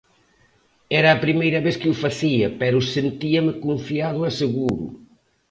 Era a primeira vez que o facía, pero sentíame confiado e seguro.